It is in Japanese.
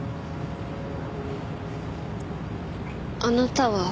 あなたは？